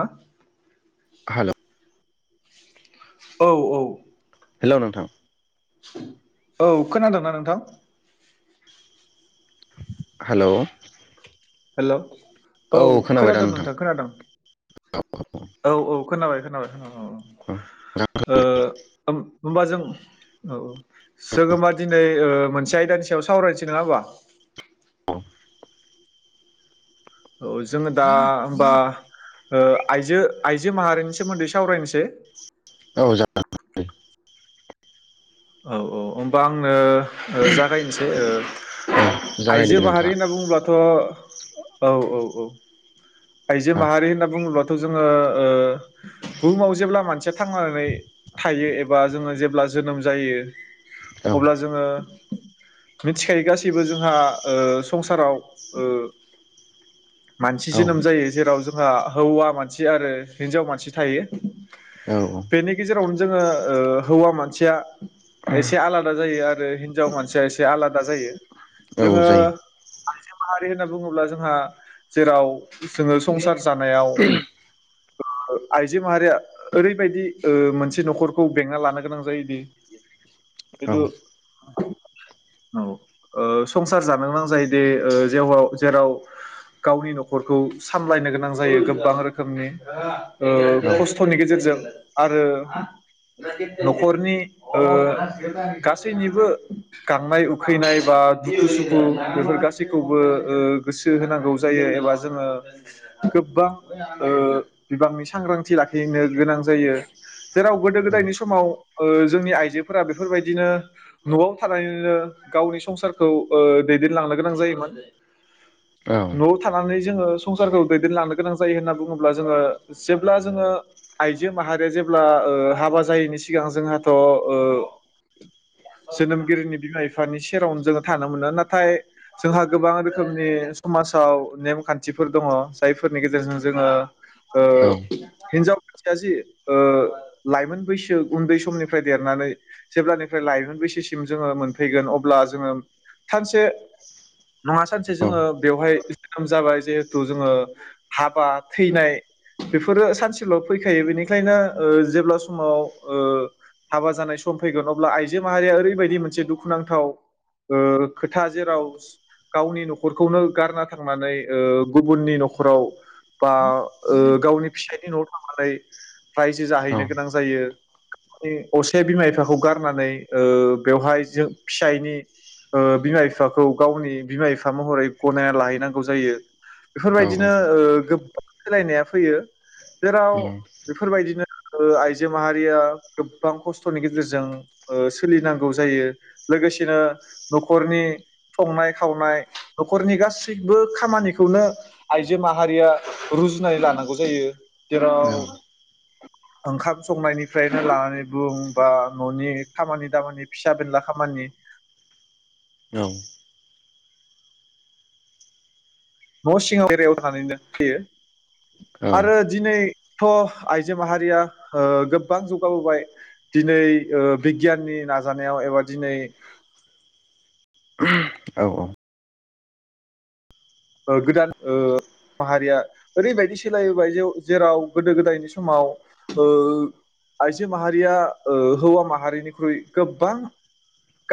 हा। हेलौ औ औ। हेलौ नोंथां। औ खोनादोंना नोंथां? हेलौ हेलौ औ खोनादों नोंथां खोनादों औ औ औ। खोनाबाय खोनाबाय औ खोनाबाय। औ होनबा जों औ औ जों होनबा दिनै मोनसे आयदानि सायाव सावरायनोसै नङा होनोमबा। औ जोङो दा होमबा ओ आइजो आइजो माहारिनि सोमोन्दै सावरायनोसै। औ जागोन औ औ होमबा आंनो। जागायनोसै ओ औ जागायदो आइजो दे माहारि होनना नोंथाङा बुङोब्लाथ' औ औ औ। आइजो माहारि होनना बुंङोब्ला थ' जोङो ओ बुहुमाव जेब्ला मानसिया थांनानै थायो जोङो जेब्ला जोनोम औ जायो अब्ला जोङो मिथिखायो गासैबो जोंहा ओ संसाराव मानसि औ जोनोम जायो जेराव जों जोंहा हौवा मानसि आरो हिन्जाव मानसि थायो जायो औ बेनि गेजेरावनो जोङो हौवा मानसिया एसे आलादा जायो आरो हिन्जाव मानसिया एसे आलादा जायो औ जोङो माहारि होनना बुङोब्ला जोंहा जेराव जोङो संसार जानायाव आइजो माहारिया ओरैबायदि मोनसे न'खरखौ बेंना लानो गोनां जायोदि बेथ' ओ संसार जानो गोनां जायोदि ओ जेराव गावनि न'खरखौ सामलायनो गोनां जायो गोबां रोखोमनि ओ खस्थ'नि गेजेरजों आरो न'खरनि ओ गासैनिबो गांनाय उखैनाय बा दुखु सुखु बेफोर गासैखौबो गोसो होनांगौ जायो एबा जोङो गोबां बिबांनि सांग्रांथि लाखिनो गोनां जायो जेराव गोदो गोदायनि समाव जोंनि आइजोफोरा बेफोरबायदिनो न'आव थानानैनो गावनि संसारखौ ओ दैदेनलांनो गोनां जायोमोन न'आव थानानै जोङो संसारखौ दैदेनलांनो गोनां जायो होनना बुङोब्ला जोङो जेब्ला जोङो आइजो माहारिया जेब्ला हाबा जायैनि सिगां जोंहा थ' ओ जोनोमगिरिनि बिमा बिफानि सेरावनो जोङो थानो मोनो नाथाय जोंहा गोबां रोखोमनि समाजाव नेमखान्थिफोर दङ जायफोरनि गेजेरजों जोङो औ हिनजाव जाथिया जि लाइमोन बैसो उन्दै समनि निफ्राय देरनानै जेब्लानिफ्राय लाइमोन बैसोसिम जोङो मोनफैगोन अब्ला जोङो सानसे नङा सानसे जोङो हागोन बेवहाय जोनोम जाबाय जिहेथु जोङो हाबा थैनाय बेफोरो सानसेल' फैखायो बेनिखायनो जेब्ला समाव हाबा जानाय सम फैगोन अब्ला आइजो माहारिया ओरैबायदि मोनसे दुखुनांथाव ओ खोथा जेराव गावनि न'खरखौनो गारना थांनानै गुबुननि न'खराव बा गावनि फिसायनि न'आव थांनानै रायजो जाहैनो गोनां जायो असे बिमा बिफाखौ गारनानै ओ बेवहाय जों फिसायनि ओ बिमा बिफाखौ गावनि बिमा बिफा महरै गनायना लाहैनांगौ जायो बेफोरबायदिनो ओ गोबां मिलायनाया फैयो जेराव बेफोरबायदिनो आइजो माहारिया गोबां खस्थ'नि गेजेरजों सोलिनांगौ जायो लोगोसेनो न'खरनि संनाय खावनाय न'खरनि गासैबो खामानिखौनो आइजो माहारिया रुजुनानै लानांगौ जायो जेराव ओंखाम संनायनिफ्राय लानानै बुं बा न'नि खामानि दामानि फिसा बेनला खामानि न' सिङाव एरियाव थानानैनो फैयो आरो दिनैथ' आइजो माहारिया गोबां जौगाबोबाय दिनै बिगियाननि नाजानायाव एबा दिनै औ औ गोदान माहारिया ओरैबायदि सोलायबोबाय जेराव गोदो गोदायनि समाव आइजो माहारिया हौवा माहारिनिख्रुइ गोबां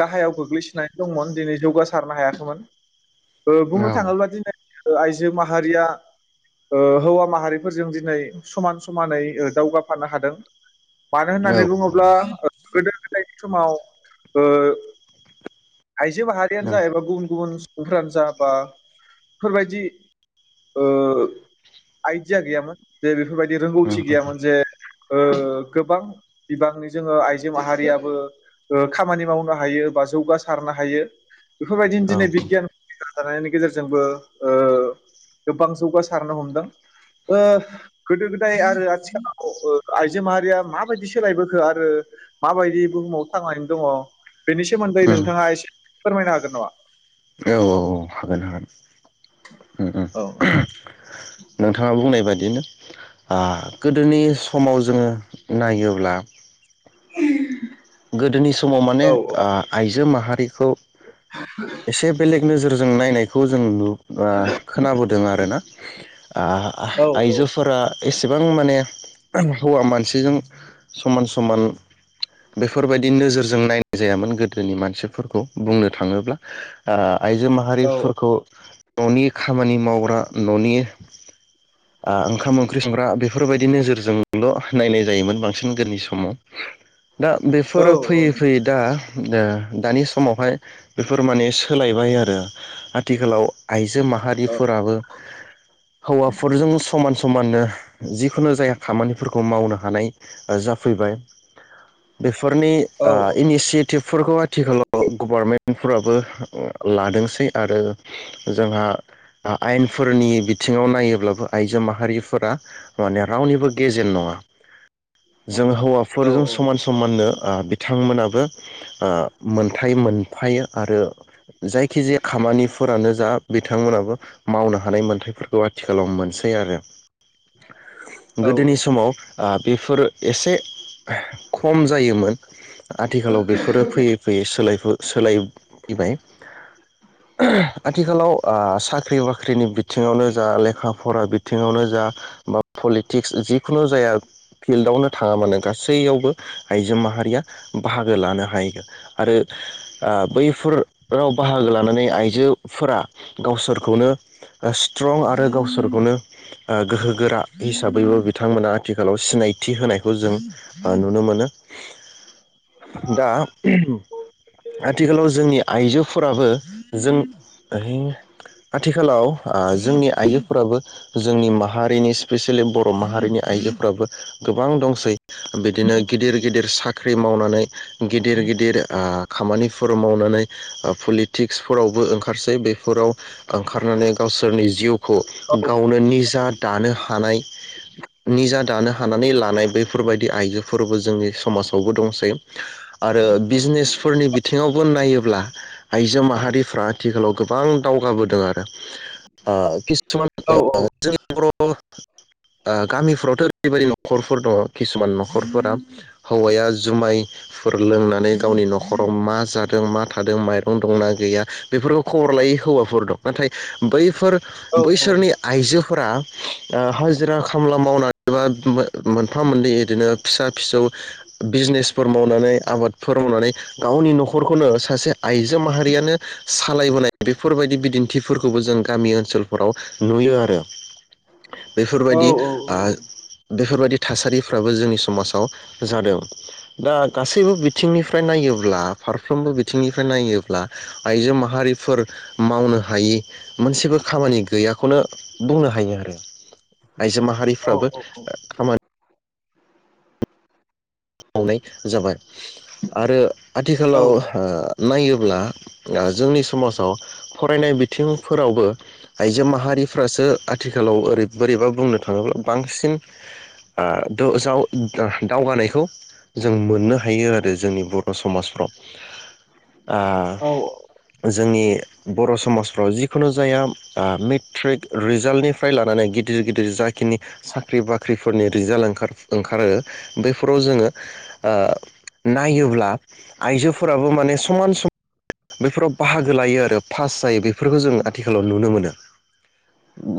गाहायाव गोग्लैसोनानै दंमोन दिनै जौगासारनो हायाखैमोन। बुंनो थाङोब्ला दिनै आइजो माहारिया हौवा माहारिफोरजों दिनै समान समानै दावगाफानो हादों। मानो होननानै बुङोब्ला गोदो प्लेटफ्र'माव आइजो माहारियानो जा एबा गुबुन गुबुन सुबुंफोरानो जा बा बेफोरबायदि आइदिया गैयामोन जे बेफोरबायदि रोंगौथि गैयामोन जे गोबां बिबांनि जोङो आइजो माहारियाबो खामानि मावनो हायो बा जौगा सारनो हायो। बेफोरबायदिनो दिनै बिगियान थानायनि गेजेरजोंबो गोबां जौगासारनो हमदों गोदो गोदाय आरो आथिखालाव आइजो माहारिया माबायदि सोलायबोखो आरो माबायदि बुहुमाव थांनानै दङ बेनि सोमोन्दै नोंथां? नोंथाङा एसे फोरमायनो हागोन नामा? हागोन औ नोंथाङा बुंनाय बादिनो गोदोनि समाव जोङो नायोब्ला [unintelligible] गोदोनि समाव माने औ ओ आइजो मा हारिखौ एसे बेलेग नोजोरजों नायनाय खौ जों नु ओ खोनाबोदों आरोना ओ औ आइजोफोरा एसेबां माने हौवा मानसिजों समान समान बेफोरबायदि नोजोरजों नायनाय जायामोन गोदोनि मानसिफोरखौ बुंनो थाङोब्ला ओ आइजो औ माहारिफोरखौ न'नि खामानि मावग्रा न'नि ओ ओंखाम ओंख्रि संग्रा बेफोरबायदि नोजोरजोंल' नायनाय जायोमोन बांसिन गोदोनि समाव दा औ बेफोरो फैयै फैयै दा ओ दानि समावहाय बेफोर माने सोलायबाय आरो आथिखालाव आइ जो माहारिफोराबो हौवाफोरजों समान समाननो जिखुनु जाया खामानिफोरखौ मावनो हानाय जाफैबाय। बेफोरनि औ ओ इनिसियेटिभ फोरखौहाय आथिखालाव गभार्मेन्टफोराबो लादोंसै आरो जोंहा आयेनफोरनि बिथिङाव नायोब्लाबो आइजो माहारिफोरा माने रावनिबो गेजेन नङा जों औ हौवाफोरजों समान खालामनो ओ बिथांमोनाबो ओ मोनथाय मोनफायो आरो। जायखिजाया खामानिफोरानो जा बिथांमोनाबो मावनो हानाय मोनथायफोरखौ आथिखालाव मोनसै आरो औ गोदोनि समाव आ बेफोर एसे खम जायोमोन आथिखालाव बेफोरो फैयै फैयै सोलायफो सोलाय फैबाय आथिखालाव ओ साख्रि बाख्रिनि बिथिङावनो जा लेखा फरा बिथिङावनो जा बा पलिटिक्स जिखुनु जाया फिल्डआवनो थाङा मानो गासैयावबो आइजो माहारिया बाहागो लानो हायो आरो ओ बैफोराव बाहागो लानानै आइजोफोरा गावसोरखौनो स्ट्रं आरो गावसोरखौनो ओ गोहोगोरा हिसाबैबो बिथांमोना आथिखालाव सिनाय थि होनायखौ जों ओ नुनो मोनो दा आथिखालाव जोंनि आइजोफोराबो जों हुइ आथिखालाव ओ‌ जोंनि आय फोराबो जोंनि माहारिनि स्पेसियेलि ब र' माहारिनि आइजोफोराबो गोबां दंसै। दिनो गिदिर गिदिर साख्रि मावनानै गिदिर गिदिर ओ खामानिफोर मावनानै ओ पलिटिक्सफोरावबो ओंखारसै बेफोराव ओंखारनानै गावसोरनि जिउखौ गावनो निजा दानो हानाय निजा दानो हानानै लानाय बैफोरबायदि आइजो फोरबो जोंनि समाजावबो दंसै आरो बिजनेसफोरनि बिथिङावबो नायोब्ला आइजो माहारिफ्रा आथिखालाव गोबां दावगाबोदों आरो ओ [inaudible] ओ गामिफ्रावथ' ओरैबायदि न'खरफोर दङ किसुमान न खरफोरा हौवाया जुमायफोर लोंनानै गावनि न'खराव मा जादों मा थादों माइरं दंना गैया बेफोरखौ खबर लायै हौवाफोर दं नाथाय बैफोर औ बैसोरनि आइजो फोरा ओ हाजिरा खामला मावनानै बा मो मोनफा मोननै इदिनो फिसा फिसौ बिजनेसफोर मावनानै आबादफोर मावनानै गावनि न'खरखौनो सासे आइजो माहारियानो सालायबोनाय बेफोरबायदि बिदिन्थिफोरखौबो जों गामि ओनसोलफोराव नुयो आरो। बेफोरबायदि आ बेफोरबायदि थासारिफ्राबो जोंनि समाजाव जादों दा गासैबो बिथिंनिफ्राय नायोब्ला फारफ्रोमबो बिथिंनिफ्राय नायोब्ला आइजो माहारिफोर मावनो हायि मोनसेबो खामानि गैयाखौनो बुंनो हायो आरो आइजो माहारिफ्राबो खामा मावनाय जाबाय आरो आथिखालाव ओ नायोब्ला आ जोंनि समाजाव फरायनाय बिथिंफोरावबो आइजो माहारिफ्रासो आथिखालाव ओरै बोरैबा बुंनो थाङोब्ला बांसिन आ दा जाव दावगानायखौ जों मोननो हायो आरो जोंनि बर' समाजफ्राव आ जोंनि बर' समाजफ्राव जिखुनु जाया आ मेट्रिक रिजाल्टनिफ्राय लानानै गिदिर गिदिर जाखिनि साख्रि बाख्रिफोरनि रिजाल्ट ओं ओंखारो बैफोराव जोङो ओ नायोब्ला आइजोफोराबो माने समान समान बेफोराव बाहागो लायो आरो पास जायो बेफोरखौ जों आथिखालाव नुनो मोनो।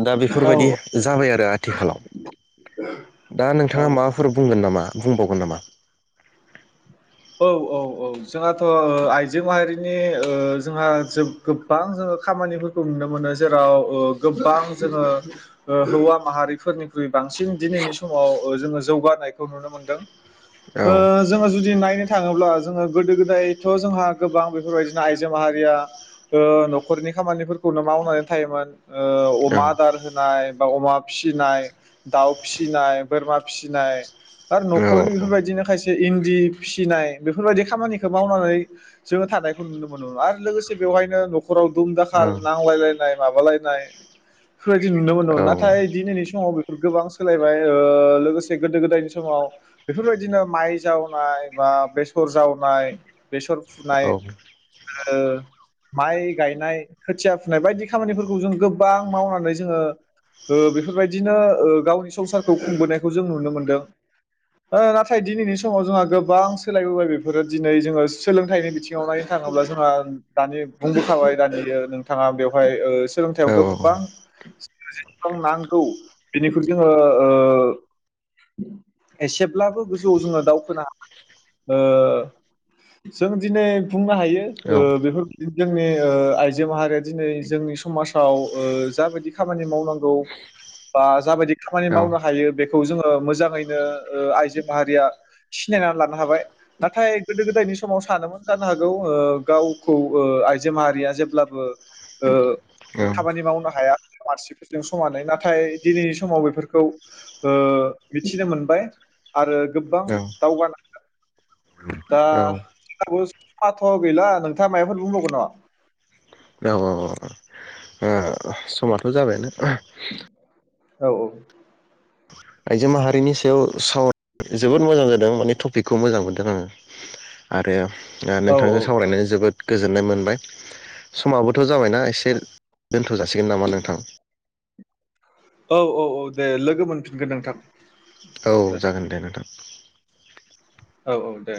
दा औ बेफोरबायदि औ जाबाय आर रो आथिखालाव दा नोंथाङा औ माबाफोर बुंगोन नामा बुंबावगोन नामा? [inaudible] औ औ औ जोंहाथ' आइजो माहारिनि ओ जोंहा जो गोबां जोङो खामानिफोरखौ नुनो मोनो जेराव ओ गोबां जोङो हौवा माहारिफोरनिख्रुइ बांसिन दिनैनि समाव जोङो जौगानायखौ नुनो मोनदों नामा ओ जोङो जुदि नायनो थाङोब्ला जोङो गोदो गोदायथ' जोंहा गोबां बेफोरबायदिनो आइजो माहारिया ओ न'खरनि खामानिफोरखौनो मावनानै थायोमोन ओ अमा औ आदार होनाय बा अमा फिसिनाय दाउ फिसिनाय बोरमा फिसिनाय आरो न'खरनि औ औ बेफोरबायदिनो खायसे इनदि फिसि फिसिनाय बेफोरबायदि खामानिखौ मावनानै जोङो थानायखौ नुनो मोनोमोन आरो लोगोसे बेवहायनो न'खराव दुम औ दाखाल नांलायलायनाय माबालाय नाय बेफोरबायदि नुनो मोनदोंमोन नाथाय दिनैनि समाव बे गोबां सोलायबाय ओ लोगोसे गोदो गोदायनि समाव बेफोरबायदिनो माइ जावनाय बा बेसर जावनाय बेसर फुनाय ओ माइ गायनाय खोथिया फुनाय बायदि खामानिफोरखौ जों गोबां मावनानै जोङो ओ बेफोरबायदिनो ओ गावनि संसारखौ खुंबोनायखौ जों नुनो मोनदों ओ नाथाय दिनैनि समाव जोंहा गोबां सोलायबोबाय बेफोरो दिनै जोङो सोलोंथाइनि बिथिङाव नायनो थाङोब्ला जोंहा दानि बुंबोखाबाय दानि नोंथाङा बेवहाय ओ सोलोंथाइयाव गोबां जेसेबां नांगौ बेनिख्रुय जोङो एसेब्लाबो गोजौआव जोङो दावखोनो जों दिनै सुफुंनो हायो बेफोरबायदि जोंनि आइजो माहारिया दिनै जोंनि समाजाव जाबायदि खामानि मावनांगौ बा जाबायदि खामानि मावनो हायो बे खौ जोङो मोजाङैनो आइजो माहारिया सिनायनानै लानो हाबाय नाथाय गोदो गोदायनि समाव सानोमोन जानो हागौ गावखौ आइजो माहारिया जेब्लाबो खामानि मावनो हाया हौवा मानसिफोरजों समानै नाथाय दिनैनि समाव बेफोरखौ मिथिनो मोनबाय आरो गोबां [inaudible] दा फाथ' गैला नोंथाङा माइफोर बुंबावगोन नामा औ औ औ समाथ' जाबायानो औ औ आइजो माहारिनि सायाव सावराय जोबोद मोजां जादों माने टपिकखौ मोजां मोनदों आङो आरो औ नोंथांजों सावरायनाय जोबोद गोजोननाय मोनबाय समाबो थ' जाबायना एसे औ दोन्थ' जासिगोन नामा नोंथां औ औ औ दे लोगो मोनफिनगोन नोंथां। औ जागोन दे नोंथां। औ औ दे।